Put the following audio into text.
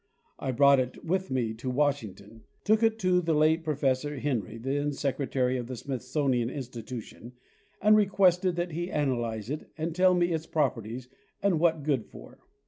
I brought. it with me to Washington; took it to the late Professor Henry, then Secretary of the Smithsonian Institution, and requested that. he analyze it and tell me its properties and what good for.